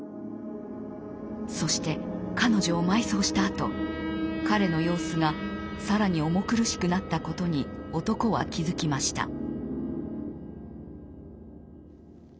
そして彼女を埋葬したあと彼の様子が更に重苦しくなったことに男は気付きました。